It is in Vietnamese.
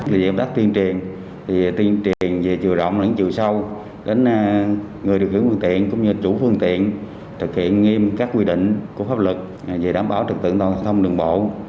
vì em đắc tiên triền tiên triền về chiều rộng đến chiều sâu đến người điều khiển phương tiện cũng như chủ phương tiện thực hiện nghiêm các quy định của pháp luật về đảm bảo trực tượng thông đường bộ